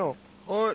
はい。